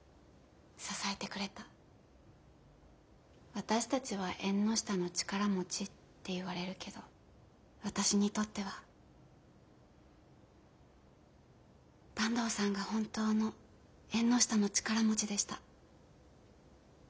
私たちは縁の下の力持ちっていわれるけど私にとっては坂東さんが本当の縁の下の力持ちでした。